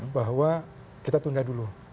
bahwa kita tunda dulu